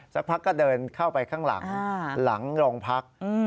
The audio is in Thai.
สักพักก็เดินเข้าไปข้างหลังหลังโรงพัก